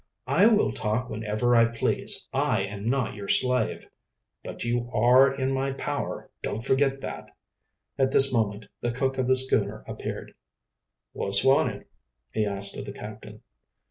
"I will talk whenever I please. I am not your slave." "But you are in my power, don't forget that." At this moment the cook of the schooner appeared. "What's wanted?" he asked of the captain.